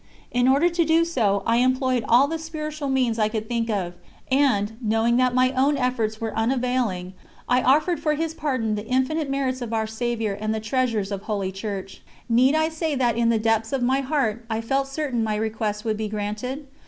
In order to do so I employed all the spiritual means I could think of, and, knowing that my own efforts were unavailing, I offered for his pardon the infinite merits of Our Saviour and the treasures of Holy Church. Need I say that in the depths of my heart I felt certain my request would be granted?